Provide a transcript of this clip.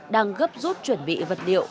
đang gấp rút chuẩn bị vật liệu